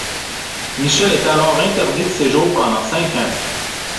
Michel est alors interdit de séjour pendant cinq ans.